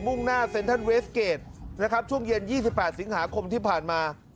มุ่งหน้าเซ็นทันเวสเกจนะครับช่วงเย็นยี่สิบแปดสิงหาคมที่ผ่านมา